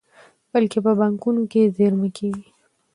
بلکې په بانکونو کې زېرمه کیږي.